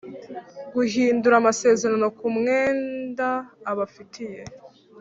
guhindura amasezerano ku mwenda abafitiye